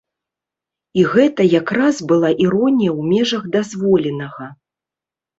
І гэта якраз была іронія ў межах дазволенага.